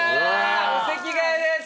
お席替えです！